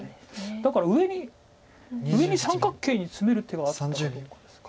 だから上に三角形にツメる手はあったかどうかですか。